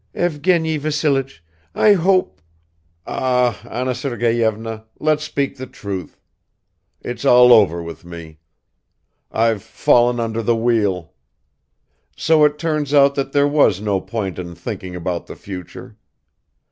"Evgeny Vassilich, I hope ..." "Ah, Anna Sergeyevna, let's speak the truth. It's all over with me. I've fallen under the wheel. So it turns out that there was no point in thinking about the future.